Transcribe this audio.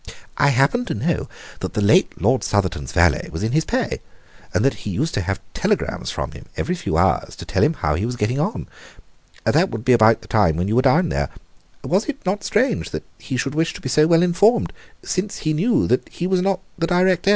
"I happen to know that the late Lord Southerton's valet was in his pay, and that he used to have telegrams from him every few hours to tell him how he was getting on. That would be about the time when you were down there. Was it not strange that he should wish to be so well informed, since he knew that he was not the direct heir?"